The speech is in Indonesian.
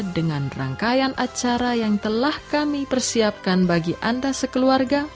dengan rangkaian acara yang telah kami persiapkan bagi antase keluarga